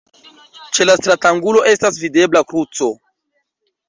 Ĉe la stratangulo estas videbla kruco.